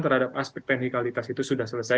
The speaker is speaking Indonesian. terhadap aspek teknikalitas itu sudah selesai